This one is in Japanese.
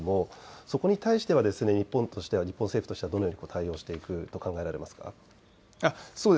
そこに対しては日本政府としてはどのように対応していくと考えられますか。